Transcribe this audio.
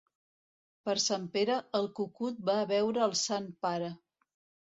Per Sant Pere el cucut va a veure el sant Pare.